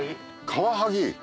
カワハギ！